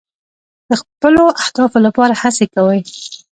د خپلو اهدافو لپاره هڅې کوئ.